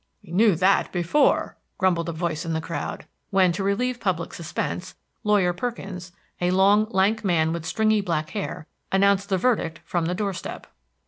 "We knew that before," grumbled a voice in the crowd, when, to relieve public suspense, Lawyer Perkins a long, lank man, with stringy black hair announced the verdict from the doorstep.